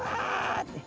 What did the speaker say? って。